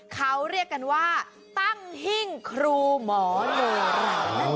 เขาเรียกกันว่าตั้งหิ้งครูหมอโนรานั่นเอง